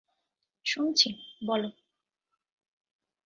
শুনছি, বল।